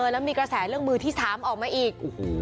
แล้วมีกระแสเรื่องมือที่๓ออกมาอีก